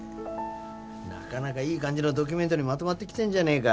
なかなかいい感じのドキュメントにまとまってきてんじゃねえか。